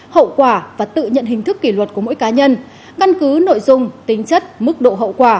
hậu quả và tự nhận hình thức kỷ luật của mỗi cá nhân căn cứ nội dung tính chất mức độ hậu quả